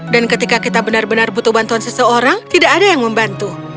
dan ketika kita benar benar butuh bantuan seseorang tidak ada yang membantu